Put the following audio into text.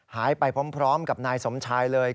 หายไปพร้อมกับนายสมชายเลย